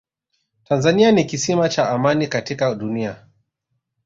tanzania ni kisima cha amani katika dunia